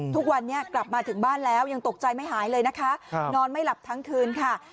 ทุกวันนี้กลับมาถึงบ้านแล้วยังตกใจไม่หายเลยนะคะนอนไม่หลับทั้งคืนค่ะ